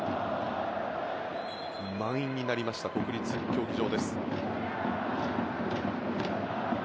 満員になりました国立競技場。